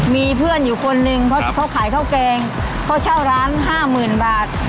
มีเพื่อนอยู่คนนึงเขาขายข้าวแกงเขาเช่าร้านห้าหมื่นบาท